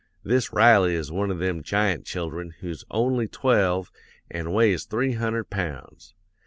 This Riley is one of them giant children who's only twelve an' weighs three hundred pounds.